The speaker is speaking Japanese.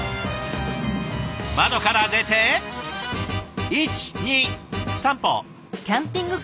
窓から出て１２３歩。